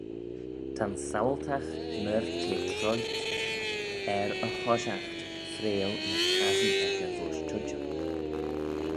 Ta'n saualtagh myr te troailt er y hoshiaght freayl ny cassyn echey voish tuittym.